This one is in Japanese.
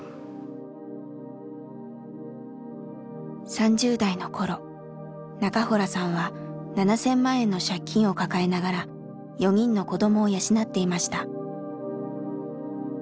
３０代の頃中洞さんは７，０００万円の借金を抱えながら４人の子どもを養っていました。